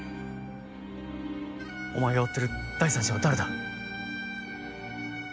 お前が追ってる第三者は誰だ？